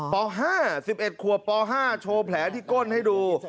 ป๕๑๑ขวบป๕โชว์แผลที่ก้นให้ดู